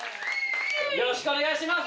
よろしくお願いします。